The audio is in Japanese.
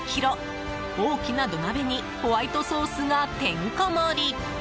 大きな土鍋にホワイトソースがてんこもり！